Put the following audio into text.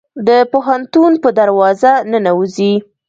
د پوهنتون په دروازه ننوزي